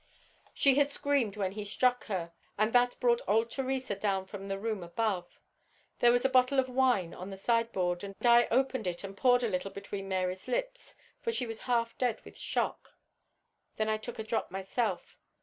"She had screamed when he struck her, and that brought old Theresa down from the room above. There was a bottle of wine on the sideboard, and I opened it and poured a little between Mary's lips, for she was half dead with the shock. Then I took a drop myself.